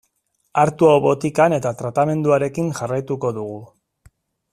Hartu hau botikan eta tratamenduarekin jarraituko dugu.